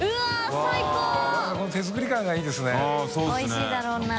おいしいだろうな。